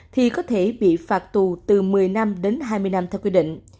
thì có thể bị phạt tù từ một mươi năm đến hai mươi năm theo quy định